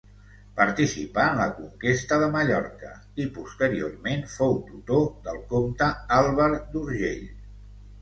Participà en la conquesta de Mallorca i posteriorment fou tutor del comte Àlvar d'Urgell.